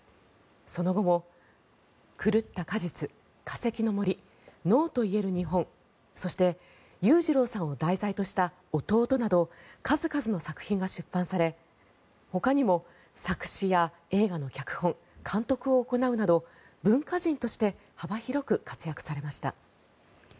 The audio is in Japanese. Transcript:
その後も「狂った果実」、「化石の森」「“ＮＯ”と言える日本」そして、裕次郎さんを題材とした「弟」など数々の作品が出版されほかにも作詞や映画の脚本、監督を行うなど文化人として幅広く活躍しました。